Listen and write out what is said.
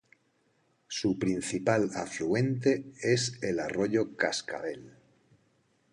Su principal afluente es el arroyo Cascavel.